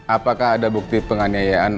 apakah ada bukti penganiayaan